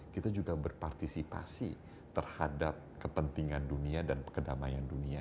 kita juga berpartisipasi terhadap kepentingan dunia dan kedamaian dunia